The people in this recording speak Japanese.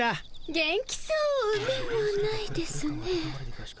元気そうではないですね。